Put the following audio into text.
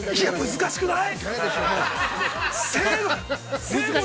◆難しくない？